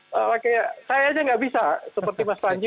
saya saja tidak bisa seperti mas panji